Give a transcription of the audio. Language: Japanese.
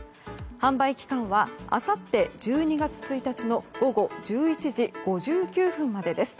販売期間はあさって１２月１日の午後１１時５９分までです。